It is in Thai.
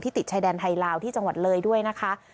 ติดชายแดนไทยลาวที่จังหวัดเลยด้วยนะคะ